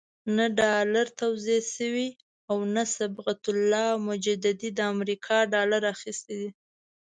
نه ډالر توزیع شوي او نه صبغت الله مجددي د امریکا ډالر اخیستي دي.